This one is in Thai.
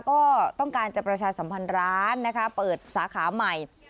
ก็ต้องการจะประชาสัมพันธ์ร้านนะคะเปิดสาขาใหม่